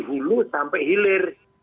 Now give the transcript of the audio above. hulu sampai hilir